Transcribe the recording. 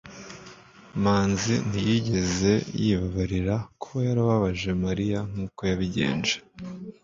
manzi ntiyigeze yibabarira kuba yarababaje mariya nk'uko yabigenje